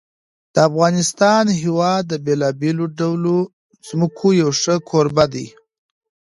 د افغانستان هېواد د بېلابېلو ډولو ځمکو یو ښه کوربه دی.